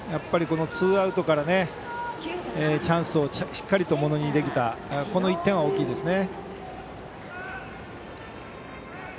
ツーアウトからチャンスをしっかりとものにできたこの１点は大きいですね。